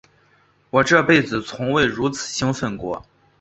我这辈子从未如此兴奋过。